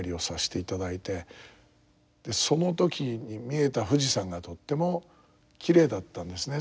その時に見えた富士山がとってもきれいだったんですね